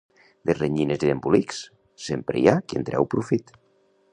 De renyines i d'embolics, sempre hi ha qui en treu profit.